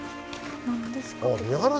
何ですか？